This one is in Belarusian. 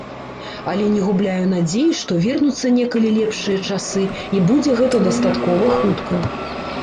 Але не губляю надзеі, што вернуцца некалі лепшыя часы і будзе гэта дастаткова хутка.